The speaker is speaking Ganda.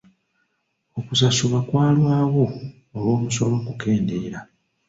Okusasulwa kwalwawo olw'omusolo okukendeera.